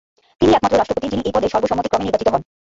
তিনিই একমাত্র রাষ্ট্রপতি যিনি এই পদে সর্বসম্মতিক্রমে নির্বাচিত হন।